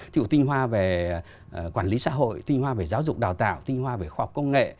cựu tinh hoa về quản lý xã hội tinh hoa về giáo dục đào tạo tinh hoa về khoa học công nghệ